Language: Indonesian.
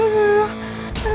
aduh aduh aduh